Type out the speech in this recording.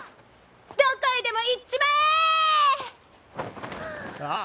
どこへでも行っちまえ！はあ。